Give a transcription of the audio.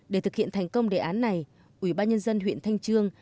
để thực hiện thành công đề án này ủy ban nhân dân huyện thanh trương